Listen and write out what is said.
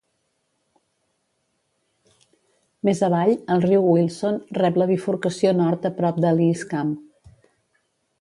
Més avall, el riu Wilson rep la bifurcació nord a prop de Lees Camp.